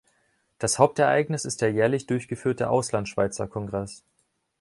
Das Hauptereignis ist der jährlich durchgeführte Auslandschweizer-Kongress.